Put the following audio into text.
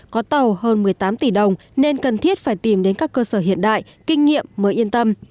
có tàu hơn một mươi tám tỷ đồng nên cần thiết phải tìm đến các cơ sở hiện đại kinh nghiệm mới yên tâm